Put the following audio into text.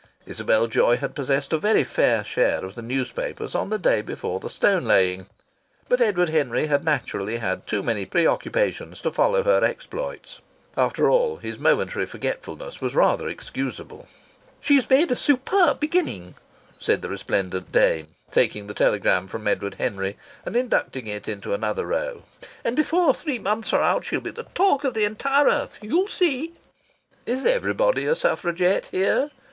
Isabel Joy had possessed a very fair share of the newspapers on the day before the stone laying, but Edward Henry had naturally had too many preoccupations to follow her exploits. After all, his momentary forgetfulness was rather excusable. "She's made a superb beginning!" said the resplendent dame, taking the telegram from Edward Henry and inducting it into another row. "And before three months are out she'll be the talk of the entire earth. You'll see!" "Is everybody a suffragette here?"